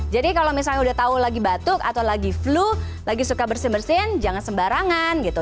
jadi kalau misalnya udah tahu lagi batuk atau lagi flu lagi suka bersin bersin jangan sembarangan gitu